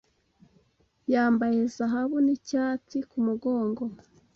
Yambaye zahabu n'icyatsi kumugongo